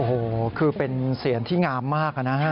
โอ้โหคือเป็นเสียงที่งามมากนะฮะ